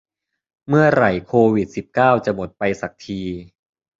เมื่อไหร่โควิดสิบเก้าจะหมดไปสักที